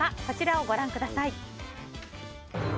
こちらをご覧ください。